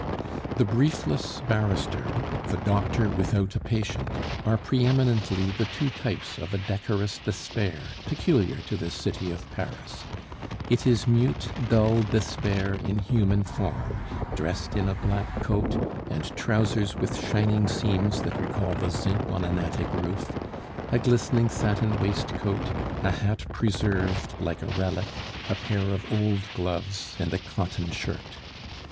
The briefless barrister, the doctor without a patient, are pre eminently the two types of a decorous despair peculiar to this city of Paris; it is mute, dull despair in human form, dressed in a black coat and trousers with shining seams that recall the zinc on an attic roof, a glistening satin waistcoat, a hat preserved like a relic, a pair of old gloves, and a cotton shirt.